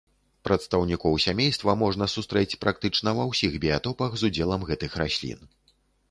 Прадстаўнікоў сямейства можна сустрэць практычна ва ўсіх біятопах з удзелам гэтых раслін.